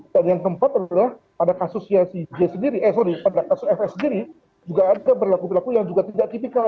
dan yang keempat adalah pada kasus fs sendiri juga ada berlaku berlaku yang juga tidak tipikal